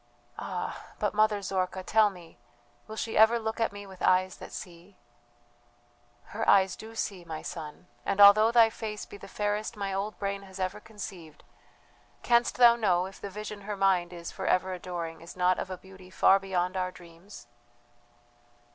"Ah, but, Mother Zorka, tell me, will she ever look at me with eyes that see?" "Her eyes do see, my son, and although thy face be the fairest my old brain has ever conceived, canst thou know if the vision her mind is for ever adoring is not of a beauty far beyond our dreams?